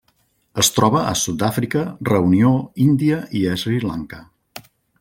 Es troba a Sud-àfrica, Reunió, Índia i Sri Lanka.